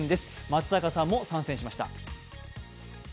松坂さんも参戦しました。